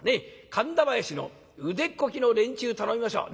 神田囃子の腕っこきの連中頼みましょう。